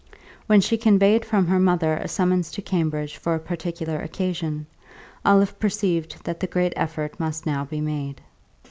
When she conveyed from her mother a summons to Cambridge for a particular occasion, Olive perceived that the great effort must now be made.